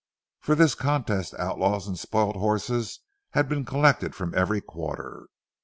For this contest outlaws and spoilt horses had been collected from every quarter.